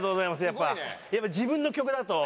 やっぱ自分の曲だと。